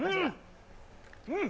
うん！